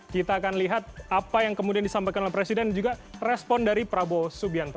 kita akan lihat apa yang kemudian disampaikan oleh presiden dan juga respon dari prabowo subianto